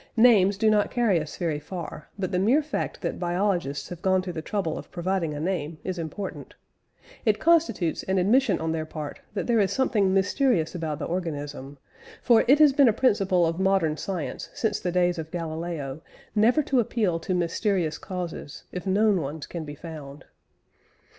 Names do not carry us very far; but the mere fact that biologists have gone to the trouble of providing a name, is important. It constitutes an admission on their part that there is something mysterious about the organism; for it has been a principle of modern science since the days of Galileo never to appeal to mysterious causes if known ones can be found.